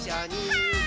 はい。